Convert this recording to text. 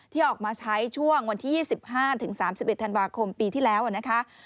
ที่ออกมาใช้ช่วงวันที่๒๕๓๑ธันวาคมปีที่แล้วนะคะ